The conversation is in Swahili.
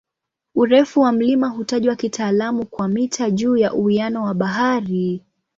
Urefu wa mlima hutajwa kitaalamu kwa "mita juu ya uwiano wa bahari".